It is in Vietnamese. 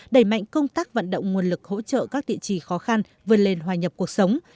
đẩy mạnh công tác vận động nguồn lực hỗ trợ các địa chỉ khó khăn vươn lên hòa nhập cuộc sống